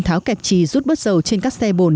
tháo kẹp trì rút bớt dầu trên các xe bồn